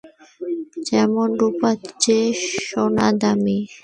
যেমনঃ রূপার চেয়ে সোনা দামী।